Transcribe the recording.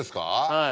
はい。